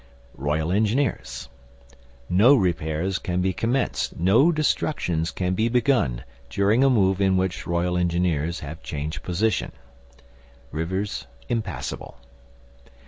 Royal Engineers. No repairs can be commenced, no destructions can be begun, during a move in which R.E. have changed position. Rivers impassable.